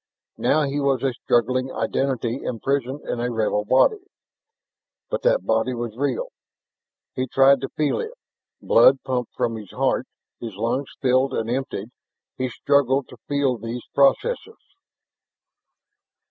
Now he was a struggling identity imprisoned in a rebel body. But that body was real. He tried to feel it. Blood pumped from his heart, his lungs filled and emptied; he struggled to feel those processes.